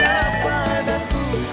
ada gajahnya dibalik